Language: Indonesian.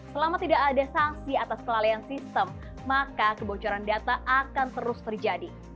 selama tidak ada sanksi atas kelalaian sistem maka kebocoran data akan terus terjadi